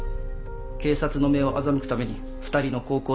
警察の目を欺くために２人の高校生を利用してな。